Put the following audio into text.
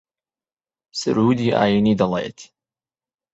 سروودی ئایینی دەڵێت